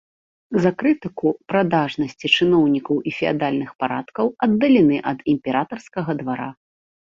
За крытыку прадажнасці чыноўнікаў і феадальных парадкаў аддалены ад імператарскага двара.